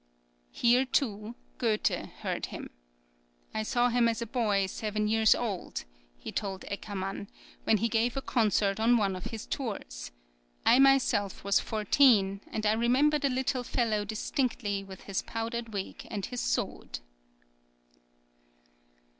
[20018] Here, too, Goethe heard him. "I saw him as a boy, seven years old," he told Eckermann, "when he gave a concert on one of his tours. I myself was fourteen, and I remember the little fellow distinctly with his powdered wig and his sword."